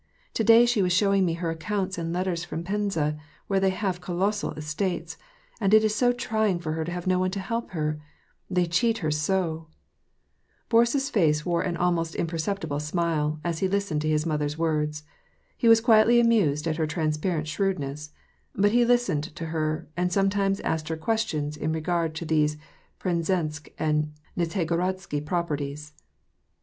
" To day she was showing me her accounts and letters from Penza, where they have colossal estates ; and it is so trying for her to have no one to help her : they cheat her so !" Boris's face wore an almost imperceptible smile, as he listened to his mother's words. He was quietly amused at her transparent shrewdness ; but he listened to her, and sometimes asked her questions in regard to these Penzensk and Nizhego rodsky properties.